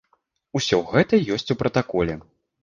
Усё гэта ёсць у пратаколе.